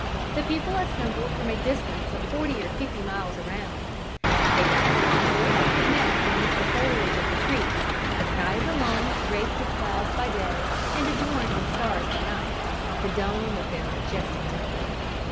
The people assembled from a distance of forty or fifty miles around. A vast concourse had met beneath the foliage of the trees, the skies alone, draped with clouds by day and adorned with stars by night, the dome of their majestic temple.